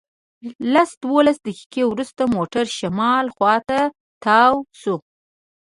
لس دولس دقیقې وروسته موټر شمال خواته تاو شو.